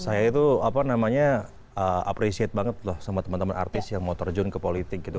saya itu apa namanya appreciate banget loh sama teman teman artis yang mau terjun ke politik gitu